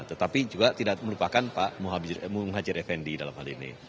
tetapi juga tidak melupakan pak muhajir effendi dalam hal ini